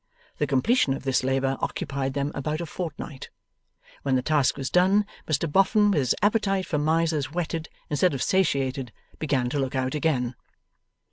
The completion of this labour occupied them about a fortnight. When the task was done, Mr Boffin, with his appetite for Misers whetted instead of satiated, began to look out again.